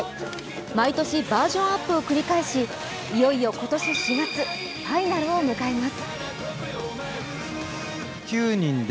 毎年バージョンアップを繰り返しいよいよ今年４月、ファイナルを迎えます。